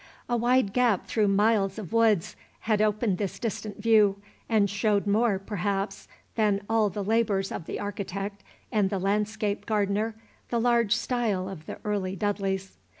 A wide gap through miles of woods had opened this distant view, and showed more, perhaps, than all the labors of the architect and the landscape gardener the large style of the early Dudleys.